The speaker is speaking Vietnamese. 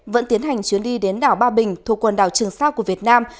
vẫn tiến hành chuyến đi đến đảo ba bình thuộc quần đảo trường sa của việt nam